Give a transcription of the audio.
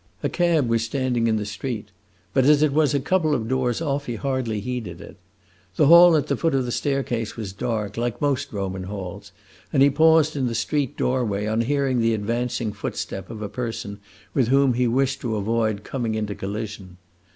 A cab was standing in the street, but as it was a couple of doors off he hardly heeded it. The hall at the foot of the staircase was dark, like most Roman halls, and he paused in the street doorway on hearing the advancing footstep of a person with whom he wished to avoid coming into collision.